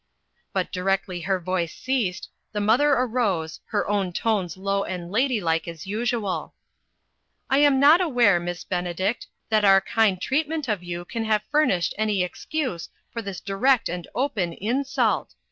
But directly her voice ceased, the mother arose, her own tones low and ladylike as usual :" I am not aware, Miss Benedict, that our kind treatment of you can have furnished any excuse for this direct and open insult.